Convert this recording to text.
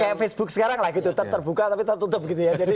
kayak facebook sekarang lah gitu tetap terbuka tapi tertutup gitu ya